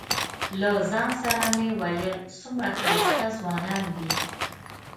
له ځان سره مې ویل څومره ښایسته ځوانان دي.